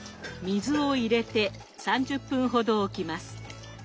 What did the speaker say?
水を入れて３０分ほどおきます。